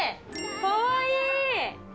かわいい！